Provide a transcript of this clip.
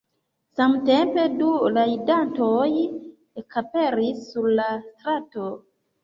Samtempe du rajdantoj ekaperis sur la strato.